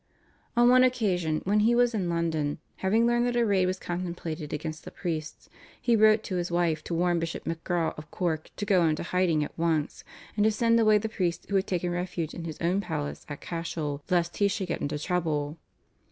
On one occasion when he was in London, having learned that a raid was contemplated against the priests, he wrote to his wife to warn Bishop MacCragh of Cork to go into hiding at once, and to send away the priests who had taken refuge in his own palace at Cashel lest he should get into trouble.